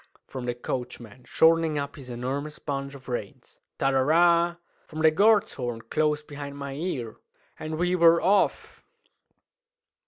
"Cl'k!" from the coachman, shortening up his enormous bunch of reins; ta ra ra! from the guard's horn close behind my ear; and we were off!